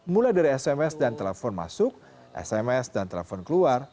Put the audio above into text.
mulai dari sms dan telepon masuk sms dan telepon keluar